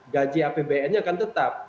gaji apbn nya akan tetap